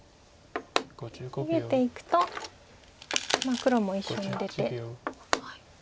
逃げていくと黒も一緒に出て。